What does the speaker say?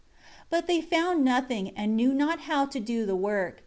But they found nothing, and knew not how to do the work.